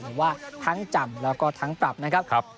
หรือว่าทั้งจำแล้วก็ทั้งปรับนะครับ